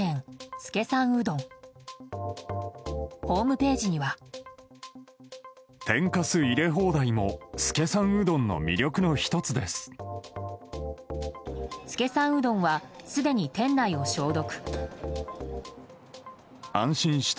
資さんうどんはすでに店内を消毒。